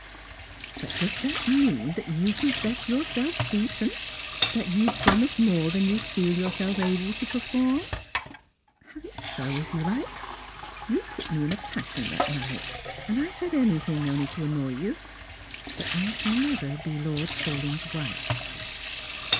" But does that mean that you confess yourself beaten — that you promised more than you feel yourself able to perform ?"" Have it so, if you like. You put me in a passion that night, and I said anything, only to annoy you. But I shall never be Lord Paulyn's wife."